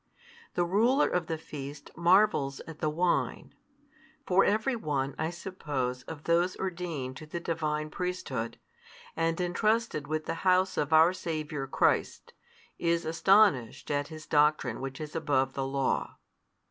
The ruler of the feast marvels at the wine: for every one, I suppose, of those ordained to the Divine Priesthood, and entrusted with the house of our Saviour Christ, is astonished at His doctrine which is above the Law.